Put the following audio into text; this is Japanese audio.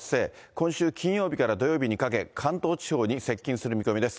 今週金曜日から土曜日にかけ、関東地方に接近する見込みです。